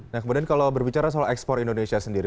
nah kemudian kalau berbicara soal ekspor indonesia sendiri